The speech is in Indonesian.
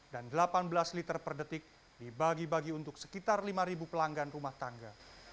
dan delapan belas liter per detik dibagi bagi untuk sekitar lima ribu pelanggan rumah tangga